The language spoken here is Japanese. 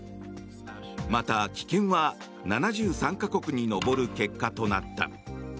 また、棄権は７３か国に上る結果となった。